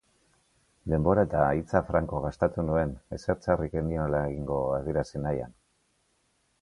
Denbora eta hitza franko gastatu nuen ezer txarrik ez niola egingo adierazi nahian.